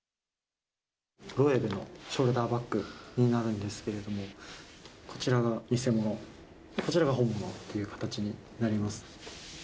ロエベのショルダーバッグになるんですけれども、こちらが偽物、こちらが本物っていう形になります。